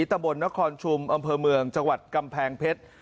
ตะบนนครชุมอำเภอเมืองจังหวัดกำแพงเพชร